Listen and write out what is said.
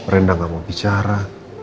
rena gak mau bicara